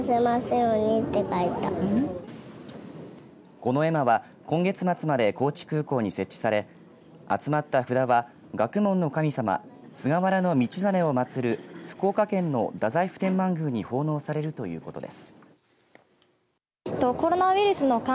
この絵馬は今月末まで高知空港に設置され集まった札は学問の神様、菅原道真を祭る福岡県の太宰府天満宮に奉納されるということです。